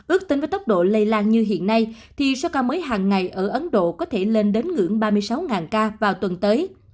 ước tính với tốc độ lây lan như hiện nay thì số ca mới hàng ngày ở ấn độ có thể lên đến ngưỡng ba mươi sáu ca vào tuần tới